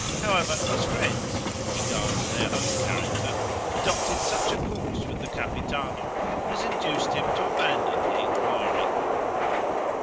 However his friends, from regard to their own character, adopted such a course with the Capitano as induced him to abandon the inquiry.